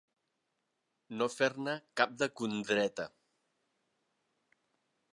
No fer-ne cap de condreta.